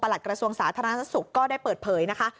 หลักกระทรวงสาธารณสุขก็ได้เปิดเผยนะคะ